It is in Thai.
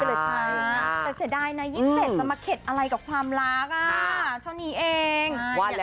แต่เสียดายนะยิ่งเสร็จแล้วมาเข็ดอะไรกับความรักอ่ะเท่านี้เอง